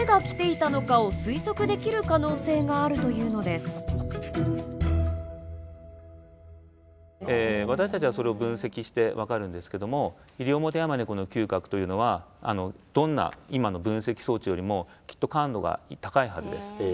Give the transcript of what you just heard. つまりオシッコをしてから時間がたっても私たちはそれを分析して分かるんですけどもイリオモテヤマネコの嗅覚というのはどんな今の分析装置よりもきっと感度が高いはずです。